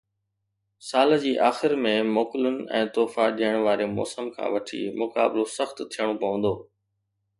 سال جي آخر ۾ موڪلن ۽ تحفا ڏيڻ واري موسم کان وٺي، مقابلو سخت ٿيڻو پوندو